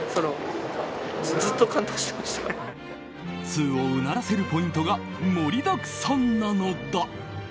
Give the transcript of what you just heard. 通をうならせるポイントが盛りだくさんなのだ。